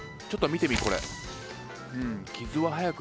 ちょっと見てみこれ。